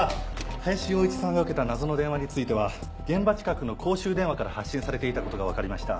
林洋一さんが受けた謎の電話については現場近くの公衆電話から発信されていたことが分かりました。